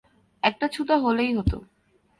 একটা ছুতা হলেই হতো।